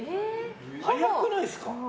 早くないですか？